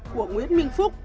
của nguyễn minh phúc